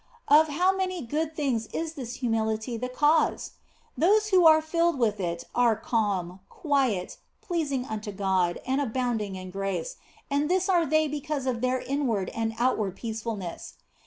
Of how many good things is this humility the cause ! Those who are filled with it are cairn, quiet, pleasing unto God and abounding in grace, and this are they be cause of their inward and outward peacefulness.